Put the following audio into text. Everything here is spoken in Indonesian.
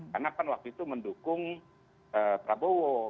karena pan waktu itu mendukung prabowo